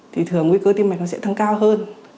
thì thường nguy cơ tim mạch nó sẽ tăng cao hơn